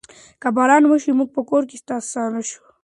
که باران وشي، موږ به کور ته ستانه شو.